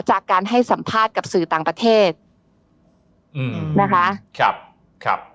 จากการให้สัมภาษณ์กับสื่อต่างประเทศนะคะ